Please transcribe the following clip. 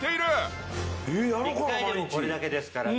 １回でもこれだけですからね。